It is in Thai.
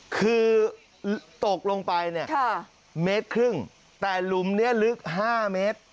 คือตกลงไปเนี่ยเมตรครึ่งแต่หลุมนี้ลึก๕เมตร